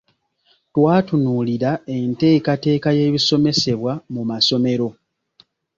Twatunuulira enteekateeka y’ebisomesebwa mu masomero.